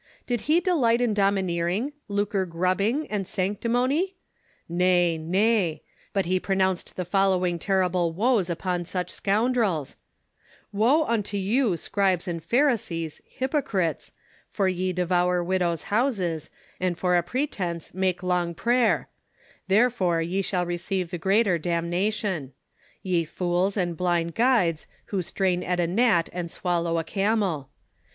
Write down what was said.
Did he delight in domineering, lucre grubbing and sancti mony V Nay, nay ; but he pronounced the following terrible woes upon such scoundrels : "Wo unto you scribes and pharisees, hypocrites, for ye devour widows' houses, and for a pretence make long prayer ; therefore ye shall receive the greater damnation. Ye fools and blind guides, who strain at a gnat and swal low a camel.